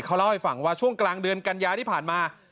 เขาเล่าให้ฟังว่าช่วงกลางเดือนกันยาที่ผ่านมา